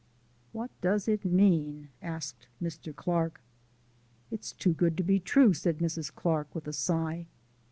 "What does it mean?" asked Mr. Clark. "It's too good to be true," said Mrs. Clark with a sigh.